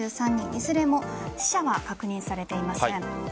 いずれも死者は確認されていません。